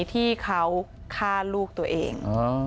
ที่เขาฆ่าลูกตัวเอง